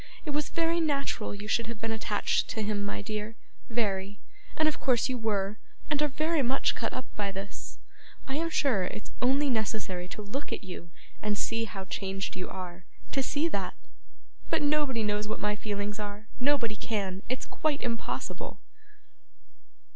It was very natural you should have been attached to him, my dear very and of course you were, and are very much cut up by this. I am sure it's only necessary to look at you and see how changed you are, to see that; but nobody knows what my feelings are nobody can it's quite impossible!